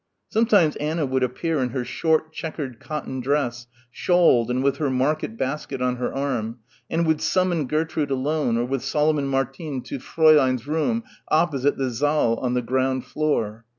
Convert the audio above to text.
Sometimes Anna would appear in her short, chequered cotton dress, shawled and with her market basket on her arm, and would summon Gertrude alone or with Solomon Martin to Fräulein's room opposite the saal on the ground floor.